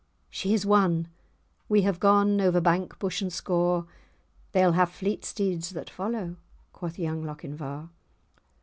"She is won! we have gone over bank, bush, and scaur; They'll have fleet steeds that follow," quoth young Lochinvar.